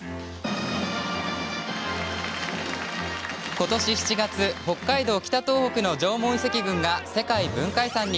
ことし７月北海道・北東北の縄文遺跡群が世界文化遺産に。